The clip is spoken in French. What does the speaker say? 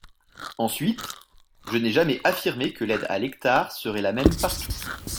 Ensuite, je n’ai jamais affirmé que l’aide à l’hectare serait la même partout.